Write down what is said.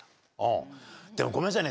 でもごめんなさいね